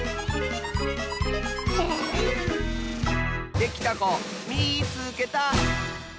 できたこみいつけた！